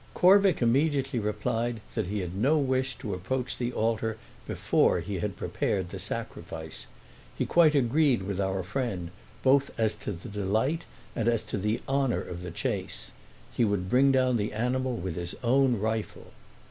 Corvick immediately replied that he had no wish to approach the altar before he had prepared the sacrifice. He quite agreed with our friend both as to the delight and as to the honour of the chase—he would bring down the animal with his own rifle.